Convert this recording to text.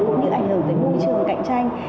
cũng như ảnh hưởng tới môi trường cạnh tranh